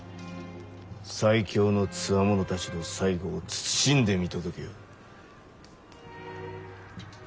最強のつわものたちの最期を謹んで見届けよ。